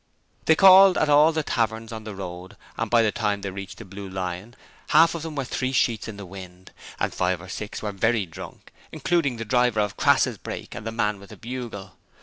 They called at all the taverns on the road, and by the time they reached the Blue Lion half of them were three sheets in the wind, and five or six were very drunk, including the driver of Crass's brake and the man with the bugle.